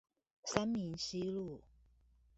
三民西路